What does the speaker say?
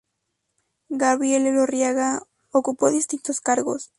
Gabriel Elorriaga ocupó distintos cargos.